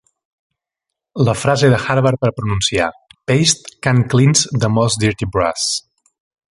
La frase de Harvard per pronunciar "Paste can cleanse the most dirty brass."